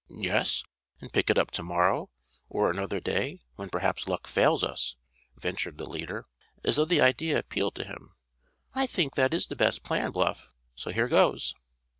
"Yes, and pick it up to morrow, or another day, when perhaps luck fails us," ventured the leader, as though the idea appealed to him. "I think that is the best plan, Bluff, so here goes."